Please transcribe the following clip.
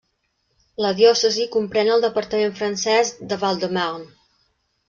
La diòcesi comprèn el departament francès de Val-de-Marne.